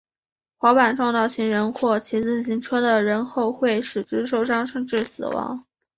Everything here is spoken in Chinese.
滑板撞到行人或骑自行车的人后会使之受伤甚至死亡。